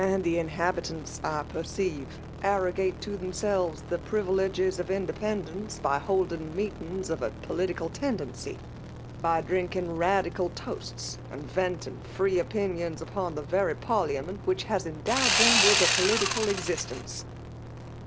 the inhabitants^ I perceive, arrogate to them selves the privileges of independence, by hold ing meetings of a political tendency ; by drink ing Radical toasts, and venting free opinions upon the very parliament which has endowed Hicm with a political existence."